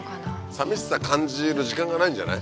さみしさ感じる時間がないんじゃない？